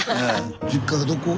実家がどこ？